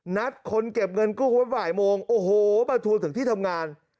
นัดคนเก็บเงินกู้ไว้บ่ายโมงโอ้โหมาทัวร์ถึงที่ทำงาน